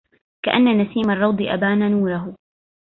كأن نسيم الروض إبان نوره